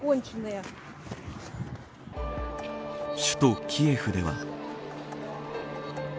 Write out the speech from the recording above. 首都キエフでは。